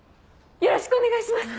よろしくお願いします！